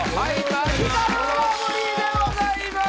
マヂカルラブリーでございます